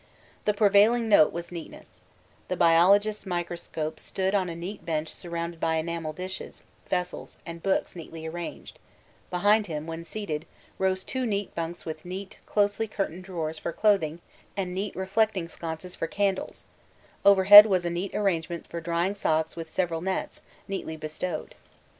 The prevailing note was neatness; the biologist's microscope stood on a neat bench surrounded by enamel dishes, vessels, and books neatly arranged; behind him, when seated, rose two neat bunks with neat, closely curtained drawers for clothing and neat reflecting sconces for candles; overhead was a neat arrangement for drying socks with several nets, neatly bestowed.